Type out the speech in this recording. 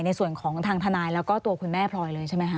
ในส่วนของทางทนายแล้วก็ตัวคุณแม่พลอยเลยใช่ไหมคะ